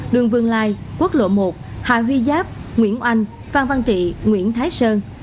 đường vương lai quốc lộ một hà huy giáp nguyễn oanh phan văn trị nguyễn thái sơn